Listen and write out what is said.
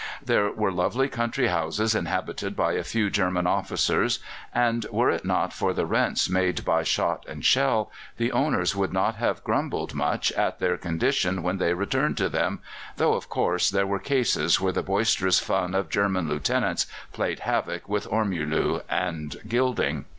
There were lovely country houses inhabited by a few German officers, and, were it not for the rents made by shot and shell, the owners would not have grumbled much at their condition when they returned to them, though, of course, there were cases where the boisterous fun of German Lieutenants played havoc with ormolu and gilding.